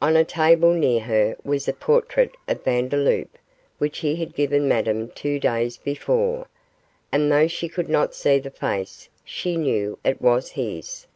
On a table near her was a portrait of Vandeloup, which he had given Madame two days before, and though she could not see the face she knew it was his.